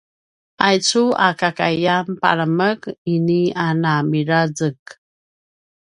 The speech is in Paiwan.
aicu a kakaiyan palemek ini a na mairangez